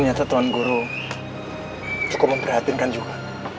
ternyata tuan guru cukup memperhatinkan juga